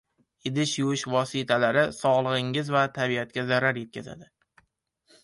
Idish yuvish vositalari sog‘lig‘ingiz va tabiatga zarar yetkazadi!